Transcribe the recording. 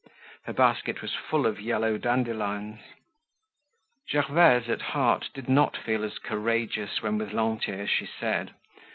Her basket was full of yellow dandelions. Gervaise, at heart, did not feel as courageous when with Lantier as she said.